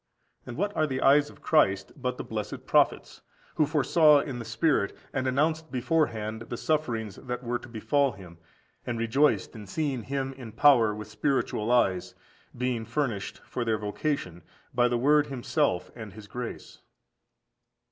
And what are the eyes of Christ but the blessed prophets, who foresaw in the Spirit, and announced beforehand, the sufferings that were to befall Him, and rejoiced in seeing Him in power with spiritual eyes, being furnished (for their vocation) by the word Himself and His grace?